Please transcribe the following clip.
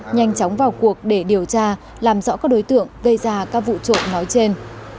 nhanh chóng vào cuộc để điều tra làm rõ các đối tượng gây ra các vụ trộm nói trên